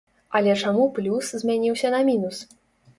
Але чаму плюс змяніўся на мінус?